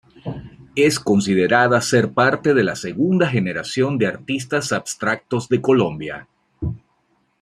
Es considerada ser parte de la segunda generación de artistas abstractos de Colombia.